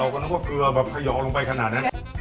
อ๋อเราก็นึกว่าเกลือแลมออกลงไปขนาดนั้น